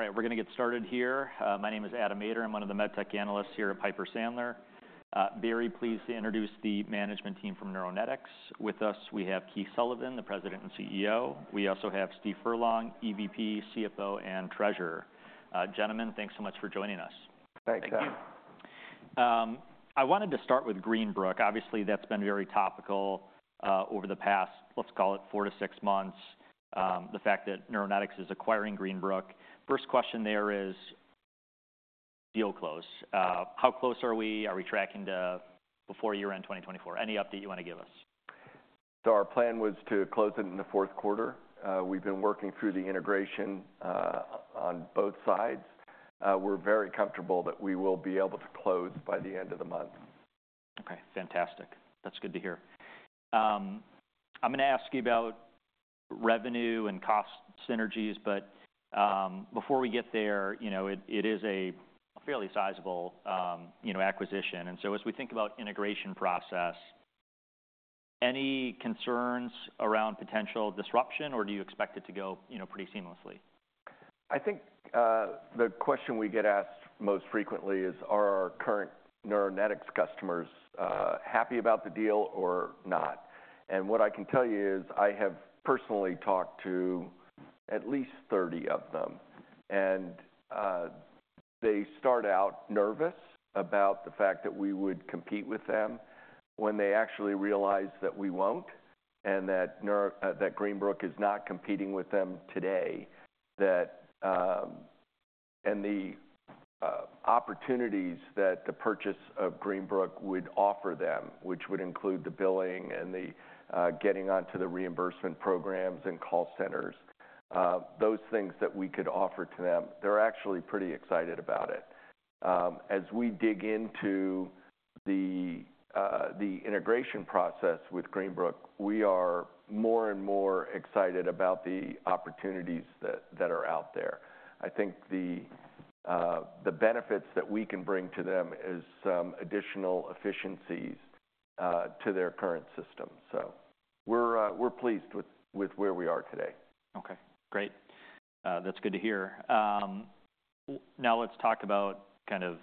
All right, we're going to get started here. My name is Adam Maeder. I'm one of the medtech analysts here at Piper Sandler. Very pleased to introduce the management team from Neuronetics. With us, we have Keith Sullivan, the President and CEO. We also have Steve Furlong, EVP, CFO, and Treasurer. Gentlemen, thanks so much for joining us. Thanks. Thank you. I wanted to start with Greenbrook. Obviously, that's been very topical over the past, let's call it, 4-6 months. The fact that Neuronetics is acquiring Greenbrook. First question there is, deal close? How close are we? Are we tracking to before year-end 2024? Any update you want to give us? Our plan was to close it in the fourth quarter. We've been working through the integration on both sides. We're very comfortable that we will be able to close by the end of the month. Okay, fantastic. That's good to hear. I'm going to ask you about revenue and cost synergies, but before we get there, it is a fairly sizable acquisition. And so as we think about the integration process, any concerns around potential disruption, or do you expect it to go pretty seamlessly? I think the question we get asked most frequently is, are our current Neuronetics customers happy about the deal or not? And what I can tell you is I have personally talked to at least 30 of them, and they start out nervous about the fact that we would compete with them when they actually realize that we won't and that Greenbrook is not competing with them today. And the opportunities that the purchase of Greenbrook would offer them, which would include the billing and getting onto the reimbursement programs and call centers, those things that we could offer to them, they're actually pretty excited about it. As we dig into the integration process with Greenbrook, we are more and more excited about the opportunities that are out there. I think the benefits that we can bring to them are some additional efficiencies to their current system. So we're pleased with where we are today. Okay, great. That's good to hear. Now let's talk about kind of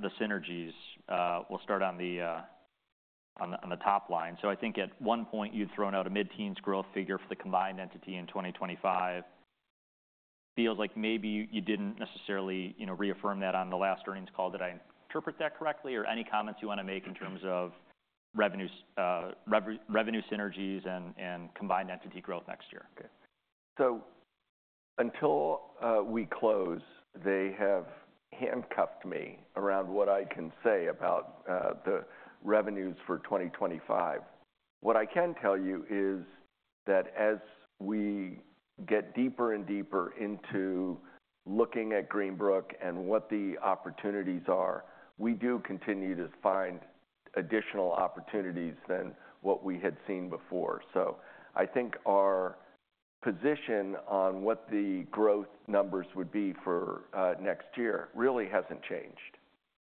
the synergies. We'll start on the top line. So I think at one point you'd thrown out a mid-teens growth figure for the combined entity in 2025. Feels like maybe you didn't necessarily reaffirm that on the last earnings call. Did I interpret that correctly? Or any comments you want to make in terms of revenue synergies and combined entity growth next year? So until we close, they have handcuffed me around what I can say about the revenues for 2025. What I can tell you is that as we get deeper and deeper into looking at Greenbrook and what the opportunities are, we do continue to find additional opportunities than what we had seen before. So I think our position on what the growth numbers would be for next year really hasn't changed.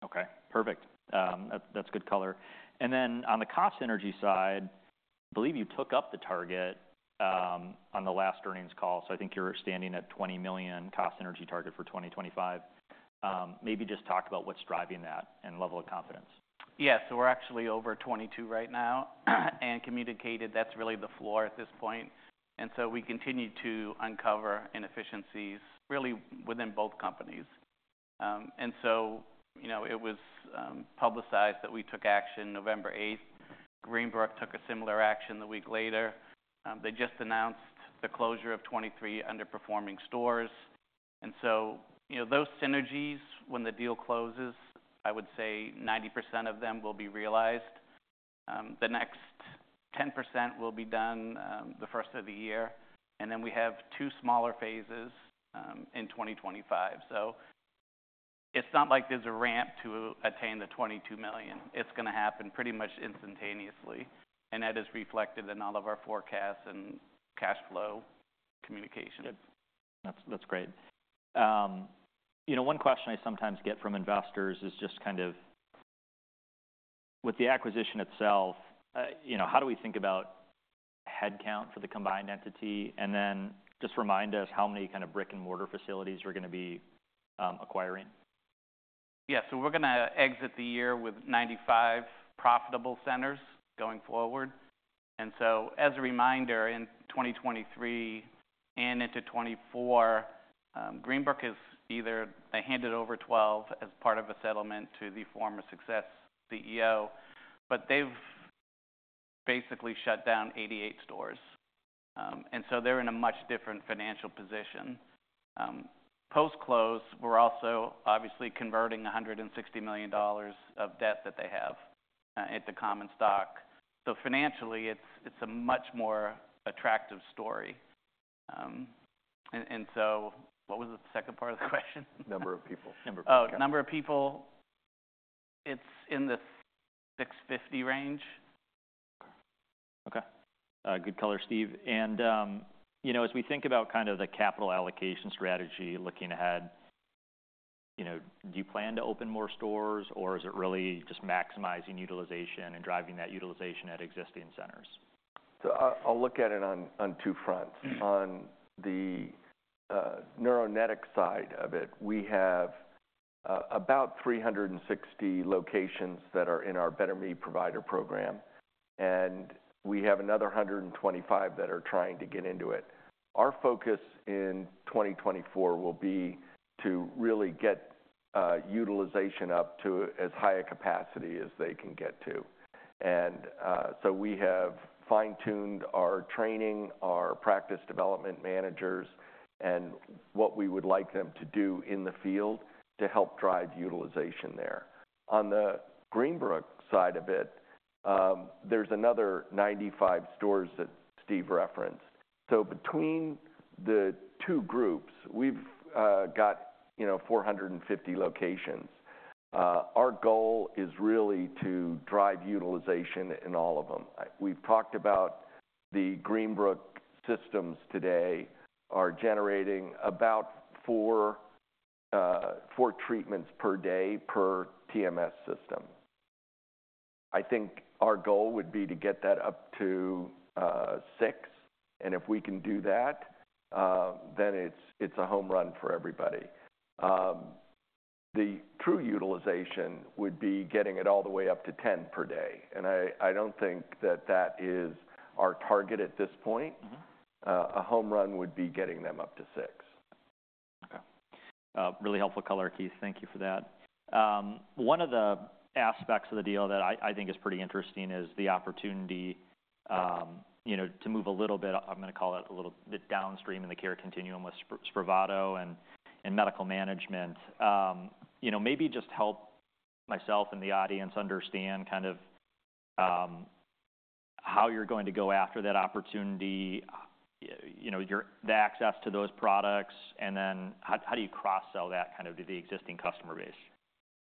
Okay, perfect. That's good color. And then on the cost synergy side, I believe you took up the target on the last earnings call. So I think you're standing at $20 million cost synergy target for 2025. Maybe just talk about what's driving that and level of confidence? Yeah, so we're actually over $22 million right now and communicated that's really the floor at this point. And so we continue to uncover inefficiencies really within both companies. And so it was publicized that we took action November 8th. Greenbrook took a similar action the week later. They just announced the closure of 23 underperforming stores. And so those synergies, when the deal closes, I would say 90% of them will be realized. The next 10% will be done the first of the year. And then we have two smaller phases in 2025. So it's not like there's a ramp to attain the $22 million. It's going to happen pretty much instantaneously. And that is reflected in all of our forecasts and cash flow communication. That's great. One question I sometimes get from investors is just kind of with the acquisition itself, how do we think about headcount for the combined entity? And then just remind us how many kind of brick and mortar facilities we're going to be acquiring. Yeah, so we're going to exit the year with 95 profitable centers going forward. And so as a reminder, in 2023 and into 2024, Greenbrook has either handed over 12 as part of a settlement to the former CEO, but they've basically shut down 88 stores. And so they're in a much different financial position. Post-close, we're also obviously converting $160 million of debt that they have into common stock. So financially, it's a much more attractive story. And so what was the second part of the question? Number of people. Number of people. It's in the 650 range. Okay. Good color, Steve. And as we think about kind of the capital allocation strategy looking ahead, do you plan to open more stores, or is it really just maximizing utilization and driving that utilization at existing centers? I'll look at it on two fronts. On the Neuronetics side of it, we have about 360 locations that are in our Better Me Provider Program, and we have another 125 that are trying to get into it. Our focus in 2024 will be to really get utilization up to as high a capacity as they can get to. And so we have fine-tuned our training, our practice development managers, and what we would like them to do in the field to help drive utilization there. On the Greenbrook side of it, there's another 95 stores that Steve referenced. So between the two groups, we've got 450 locations. Our goal is really to drive utilization in all of them. We've talked about the Greenbrook systems today are generating about four treatments per day per TMS system. I think our goal would be to get that up to six. If we can do that, then it's a home run for everybody. The true utilization would be getting it all the way up to 10 per day. I don't think that that is our target at this point. A home run would be getting them up to 6. Okay. Really helpful color, Keith. Thank you for that. One of the aspects of the deal that I think is pretty interesting is the opportunity to move a little bit, I'm going to call it a little bit downstream in the care continuum with Spravato and medical management. Maybe just help myself and the audience understand kind of how you're going to go after that opportunity, the access to those products, and then how do you cross-sell that kind of to the existing customer base?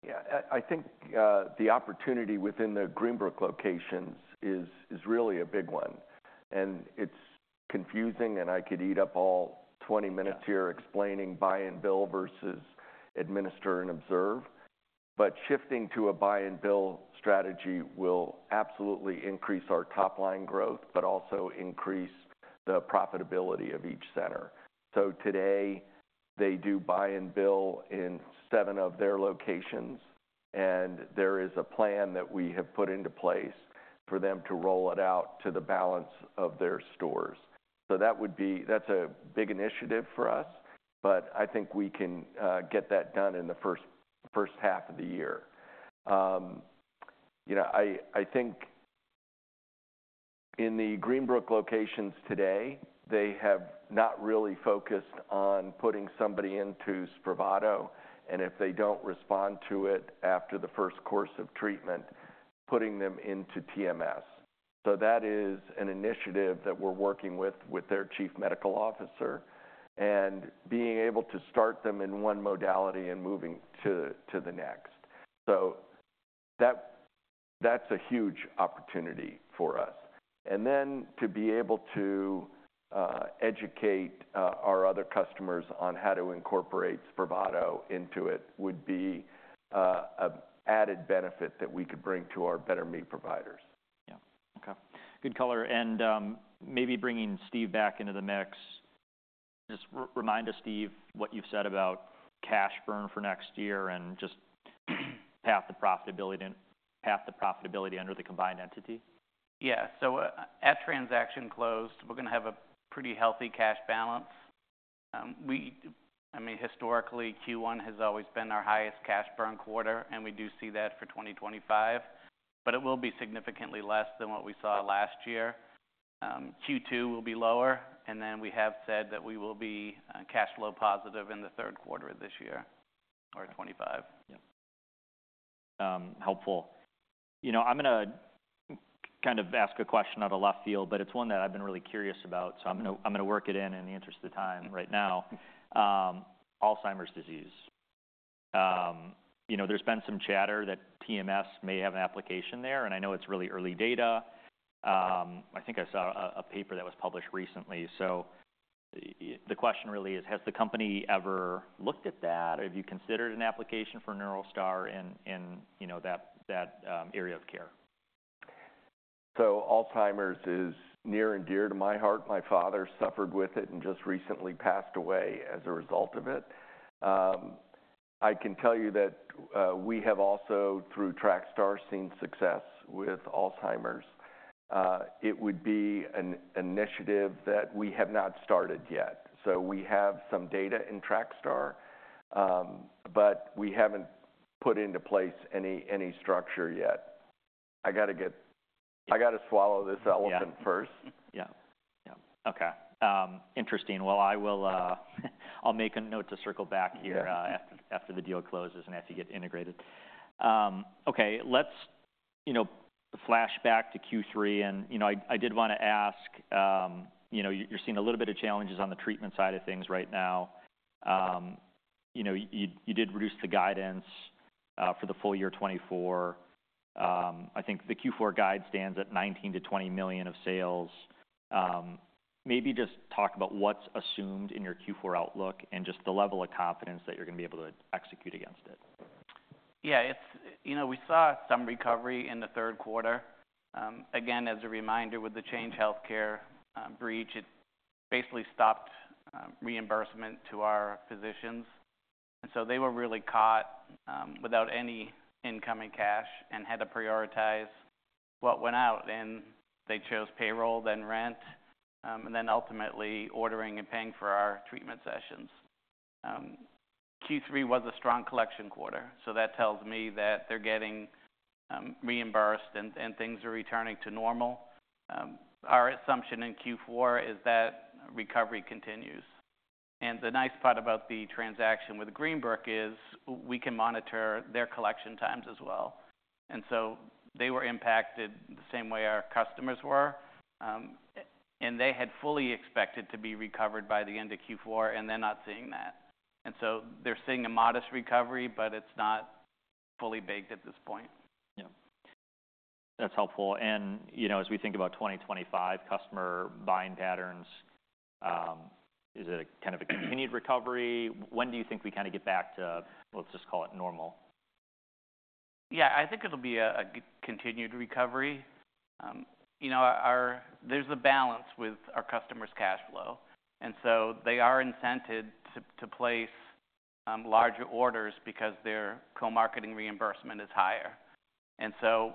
Yeah, I think the opportunity within the Greenbrook locations is really a big one. And it's confusing, and I could eat up all 20 minutes here explaining buy and bill versus administer and observe. But shifting to a buy and bill strategy will absolutely increase our top-line growth, but also increase the profitability of each center. So today, they do buy and bill in seven of their locations, and there is a plan that we have put into place for them to roll it out to the balance of their stores. So that's a big initiative for us, but I think we can get that done in the first half of the year. I think in the Greenbrook locations today, they have not really focused on putting somebody into Spravato. And if they don't respond to it after the first course of treatment, putting them into TMS. So that is an initiative that we're working with their chief medical officer and being able to start them in one modality and moving to the next. So that's a huge opportunity for us. And then to be able to educate our other customers on how to incorporate Spravato into it would be an added benefit that we could bring to our Better Me providers. Yeah. Okay. Good color, and maybe bringing Steve back into the mix, just remind us, Steve, what you've said about cash burn for next year and just half the profitability under the combined entity. Yeah, so at transaction close, we're going to have a pretty healthy cash balance. I mean, historically, Q1 has always been our highest cash burn quarter, and we do see that for 2025, but it will be significantly less than what we saw last year. Q2 will be lower, and then we have said that we will be cash flow positive in the third Q3 of this year or 2025. Helpful. I'm going to kind of ask a question out of left field, but it's one that I've been really curious about. So I'm going to work it in in the interest of time right now. Alzheimer's disease. There's been some chatter that TMS may have an application there, and I know it's really early data. I think I saw a paper that was published recently. So the question really is, has the company ever looked at that? Have you considered an application for NeuroStar in that area of care? Alzheimer's is near and dear to my heart. My father suffered with it and just recently passed away as a result of it. I can tell you that we have also, through TrakStar, seen success with Alzheimer's. It would be an initiative that we have not started yet. We have some data in TrakStar, but we haven't put into place any structure yet. I got to swallow this elephant first. Yeah. Yeah. Okay. Interesting. Well, I'll make a note to circle back here after the deal closes and after you get integrated. Okay. Let's flash back to Q3, and I did want to ask, you're seeing a little bit of challenges on the treatment side of things right now. You did reduce the guidance for the full year 2024. I think the Q4 guide stands at $19-20 million of sales. Maybe just talk about what's assumed in your Q4 outlook and just the level of confidence that you're going to be able to execute against it. Yeah. We saw some recovery in the Q3. Again, as a reminder, with the Change Healthcare breach, it basically stopped reimbursement to our physicians. And so they were really caught without any incoming cash and had to prioritize what went out. And they chose payroll, then rent, and then ultimately ordering and paying for our treatment sessions. Q3 was a strong collection quarter. So that tells me that they're getting reimbursed and things are returning to normal. Our assumption in Q4 is that recovery continues. And the nice part about the transaction with Greenbrook is we can monitor their collection times as well. And so they were impacted the same way our customers were. And they had fully expected to be recovered by the end of Q4, and they're not seeing that. And so they're seeing a modest recovery, but it's not fully baked at this point. Yeah. That's helpful. And as we think about 2025 customer buying patterns, is it kind of a continued recovery? When do you think we kind of get back to, let's just call it normal? Yeah, I think it'll be a continued recovery. There's a balance with our customers' cash flow, and so they are incented to place larger orders because their co-marketing reimbursement is higher, and so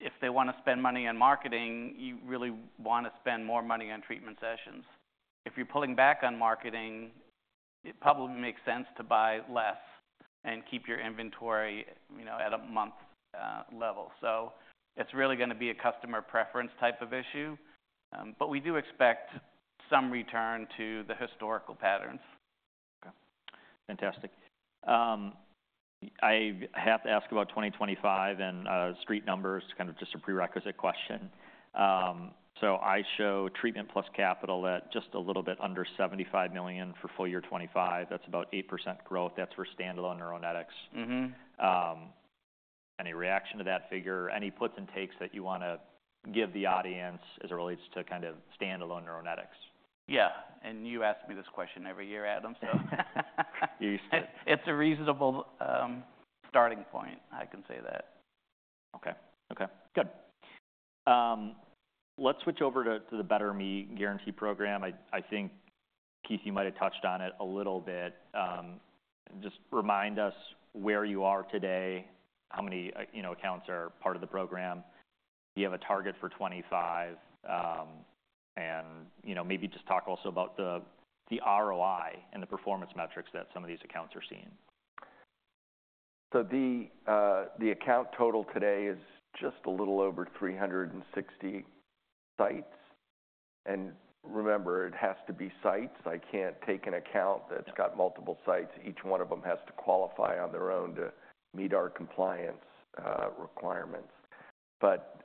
if they want to spend money on marketing, you really want to spend more money on treatment sessions. If you're pulling back on marketing, it probably makes sense to buy less and keep your inventory at a month level, so it's really going to be a customer preference type of issue, but we do expect some return to the historical patterns. Okay. Fantastic. I have to ask about 2025 and street numbers, kind of just a prerequisite question. So I show treatment plus capital at just a little bit under $75 million for full-year 2025. That's about 8% growth. That's for standalone Neuronetics. Any reaction to that figure? Any puts and takes that you want to give the audience as it relates to kind of standalone Neuronetics? Yeah, and you ask me this question every year, Adam, so. You used to. It's a reasonable starting point. I can say that. Okay. Okay. Good. Let's switch over to the Better Me Provider Program. I think, Keith, you might have touched on it a little bit. Just remind us where you are today, how many accounts are part of the program. You have a target for 2025. And maybe just talk also about the ROI and the performance metrics that some of these accounts are seeing. So the account total today is just a little over 360 sites. And remember, it has to be sites. I can't take an account that's got multiple sites. Each one of them has to qualify on their own to meet our compliance requirements. But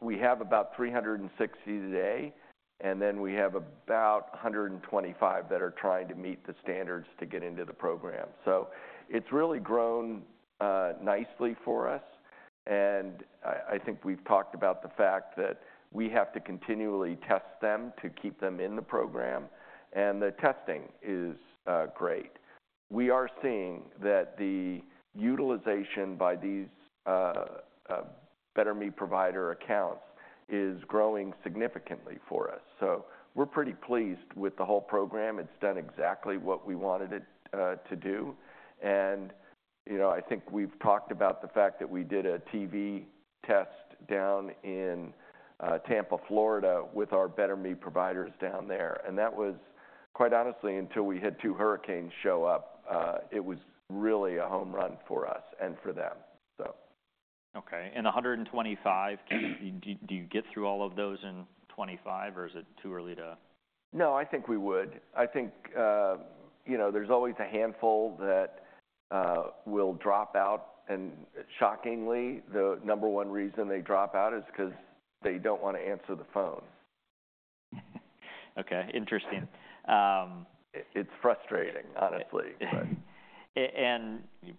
we have about 360 today, and then we have about 125 that are trying to meet the standards to get into the program. So it's really grown nicely for us. And I think we've talked about the fact that we have to continually test them to keep them in the program. And the testing is great. We are seeing that the utilization by these Better Me Provider accounts is growing significantly for us. So we're pretty pleased with the whole program. It's done exactly what we wanted it to do. I think we've talked about the fact that we did a TV test down in Tampa, Florida, with our Better Me providers down there. That was, quite honestly, until we had two hurricanes show up. It was really a home run for us and for them, so. Okay. And 125, do you get through all of those in 2025, or is it too early to? No, I think we would. I think there's always a handful that will drop out, and shockingly, the number one reason they drop out is because they don't want to answer the phone. Okay. Interesting. It's frustrating, honestly, but.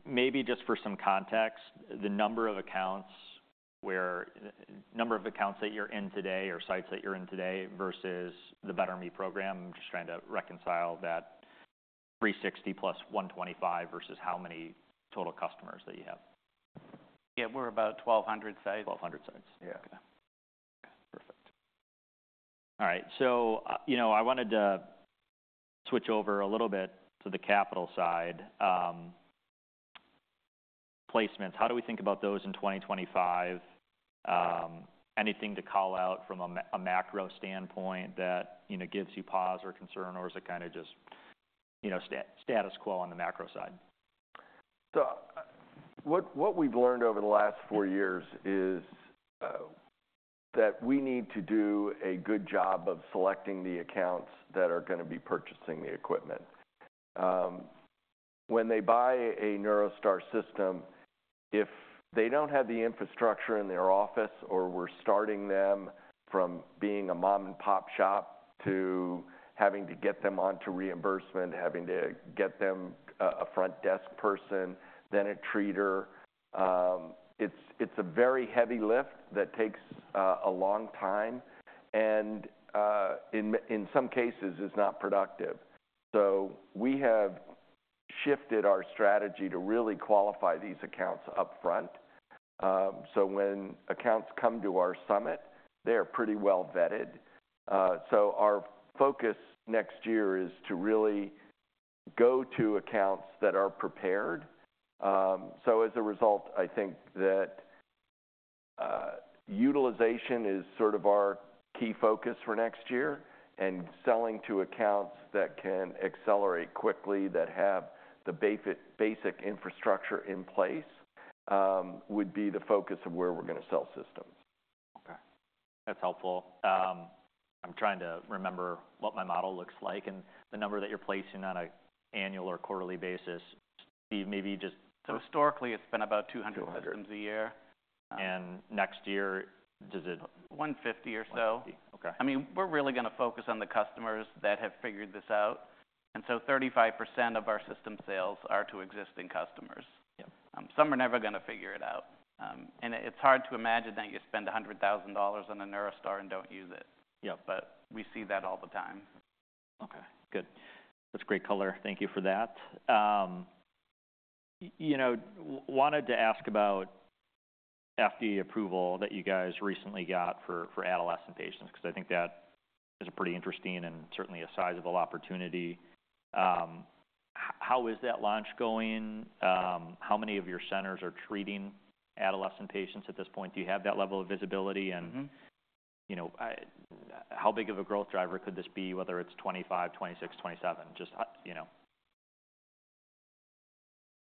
Maybe just for some context, the number of accounts that you're in today or sites that you're in today versus the Better Me program. I'm just trying to reconcile that 360 plus 125 versus how many total customers that you have. Yeah, we're about 1,200 sites. 1,200 sites. Okay. Okay. Perfect. All right. So I wanted to switch over a little bit to the capital side. Placements, how do we think about those in 2025? Anything to call out from a macro standpoint that gives you pause or concern, or is it kind of just status quo on the macro side? So what we've learned over the last 4 years is that we need to do a good job of selecting the accounts that are going to be purchasing the equipment. When they buy a NeuroStar system, if they don't have the infrastructure in their office or we're starting them from being a mom-and-pop shop to having to get them onto reimbursement, having to get them a front desk person, then a treater, it's a very heavy lift that takes a long time and in some cases is not productive. So we have shifted our strategy to really qualify these accounts upfront. So when accounts come to our summit, they are pretty well vetted. So our focus next year is to really go to accounts that are prepared. So as a result, I think that utilization is sort of our key focus for next year. Selling to accounts that can accelerate quickly, that have the basic infrastructure in place would be the focus of where we're going to sell systems. Okay. That's helpful. I'm trying to remember what my model looks like and the number that you're placing on an annual or quarterly basis, Steve, maybe just. Historically, it's been about 200 systems a year. Next year, does it? 150 or so. 150. Okay. I mean, we're really going to focus on the customers that have figured this out. And so 35% of our system sales are to existing customers. Some are never going to figure it out. And it's hard to imagine that you spend $100,000 on a NeuroStar and don't use it. But we see that all the time. Okay. Good. That's great color. Thank you for that. Wanted to ask about FDA approval that you guys recently got for adolescent patients because I think that is a pretty interesting and certainly a sizable opportunity. How is that launch going? How many of your centers are treating adolescent patients at this point? Do you have that level of visibility? And how big of a growth driver could this be, whether it's 2025, 2026, 2027? Just.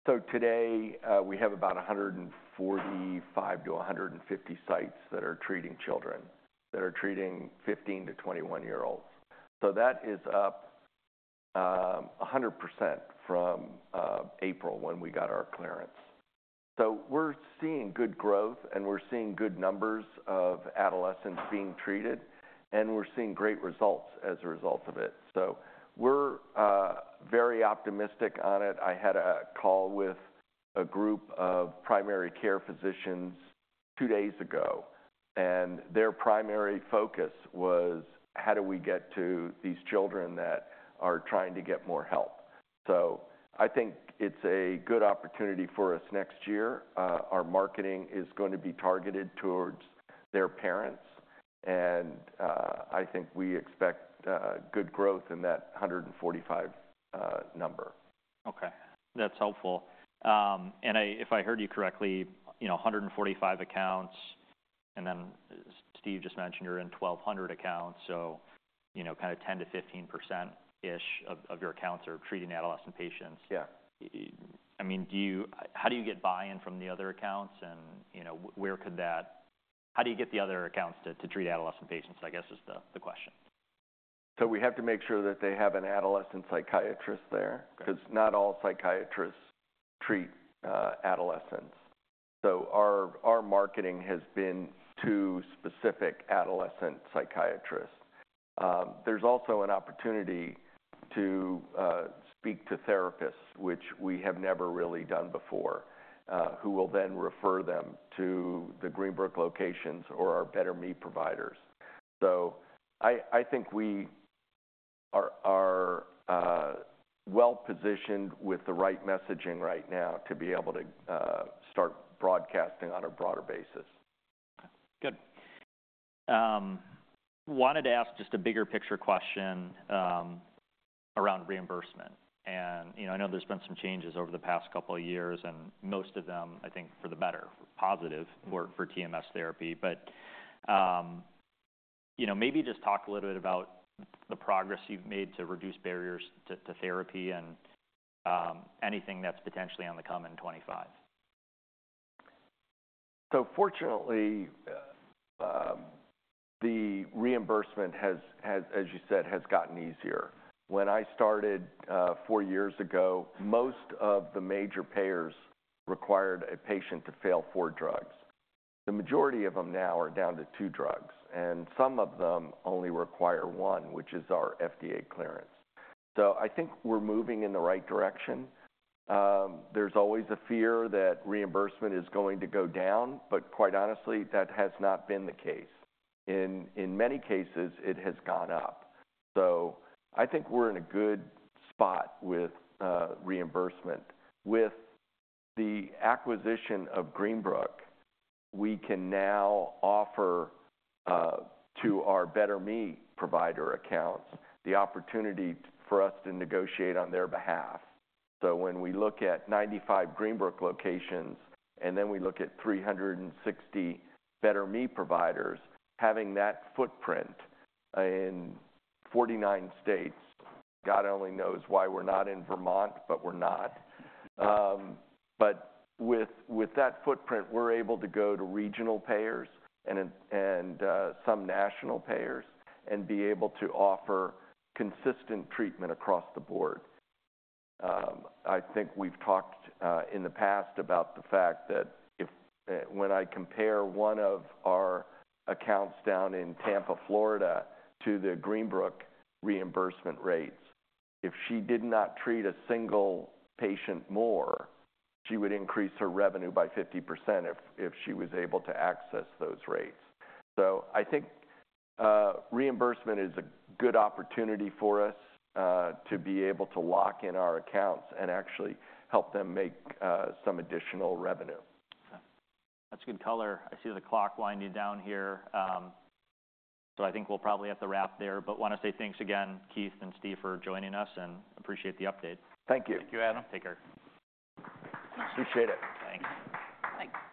So today, we have about 145-150 sites that are treating children, that are treating 15-21-year-olds. So that is up 100% from April when we got our clearance. So we're seeing good growth, and we're seeing good numbers of adolescents being treated, and we're seeing great results as a result of it. So we're very optimistic on it. I had a call with a group of primary care physicians two days ago, and their primary focus was, how do we get to these children that are trying to get more help? So I think it's a good opportunity for us next year. Our marketing is going to be targeted towards their parents, and I think we expect good growth in that 145 number. Okay. That's helpful. And if I heard you correctly, 145 accounts, and then Steve just mentioned you're in 1,200 accounts, so kind of 10%-15-ish of your accounts are treating adolescent patients. Yeah. I mean, how do you get buy-in from the other accounts, and how do you get the other accounts to treat adolescent patients, I guess, is the question? So we have to make sure that they have an adolescent psychiatrist there because not all psychiatrists treat adolescents. So our marketing has been to specific adolescent psychiatrists. There's also an opportunity to speak to therapists, which we have never really done before, who will then refer them to the Greenbrook locations or our Better Me providers. So I think we are well positioned with the right messaging right now to be able to start broadcasting on a broader basis. Okay. Good. Wanted to ask just a bigger picture question around reimbursement. And I know there's been some changes over the past couple of years, and most of them, I think, for the better, positive for TMS therapy. But maybe just talk a little bit about the progress you've made to reduce barriers to therapy and anything that's potentially on the come in 2025? So fortunately, the reimbursement, as you said, has gotten easier. When I started four years ago, most of the major payers required a patient to fail four drugs. The majority of them now are down to two drugs. And some of them only require one, which is our FDA clearance. So I think we're moving in the right direction. There's always a fear that reimbursement is going to go down, but quite honestly, that has not been the case. In many cases, it has gone up. So I think we're in a good spot with reimbursement. With the acquisition of Greenbrook, we can now offer to our Better Me Provider accounts the opportunity for us to negotiate on their behalf. So when we look at 95 Greenbrook locations, and then we look at 360 Better Me providers, having that footprint in 49 states, God only knows why we're not in Vermont, but we're not. But with that footprint, we're able to go to regional payers and some national payers and be able to offer consistent treatment across the board. I think we've talked in the past about the fact that when I compare one of our accounts down in Tampa, Florida, to the Greenbrook reimbursement rates, if she did not treat a single patient more, she would increase her revenue by 50% if she was able to access those rates. So I think reimbursement is a good opportunity for us to be able to lock in our accounts and actually help them make some additional revenue. That's good color. I see the clock winding down here. So I think we'll probably have to wrap there. But want to say thanks again, Keith and Steve, for joining us, and appreciate the update. Thank you. Thank you, Adam. Take care. Appreciate it. Thanks.